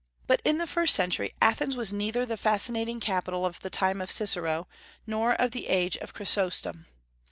But in the first century Athens was neither the fascinating capital of the time of Cicero, nor of the age of Chrysostom.